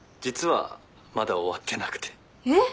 えっ！